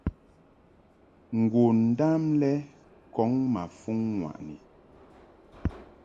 Ngondam lɛ kɔŋ ma fuŋ ŋwaʼni.